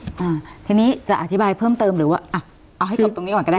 อ่าทีนี้จะอธิบายเพิ่มเติมหรือว่าอ่ะเอาให้จบตรงนี้ก่อนก็ได้